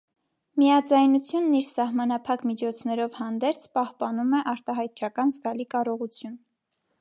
Միաձայնությունն իր սահմանափակ միջոցներով հանդերձ պահպանում է արտահայտչական զգալի կարողություն։